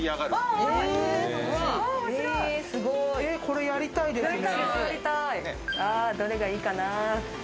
これやりたいですね。